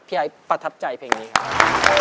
ไอ้ประทับใจเพลงนี้ครับ